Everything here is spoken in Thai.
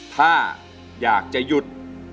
ถ้าอยากจะหยุด